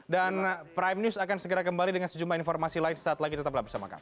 dan prime news akan segera kembali dengan sejumlah informasi lain saat lagi tetap bersama kami